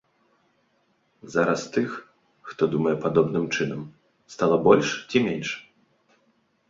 Зараз тых, хто думае падобным чынам, стала больш ці менш?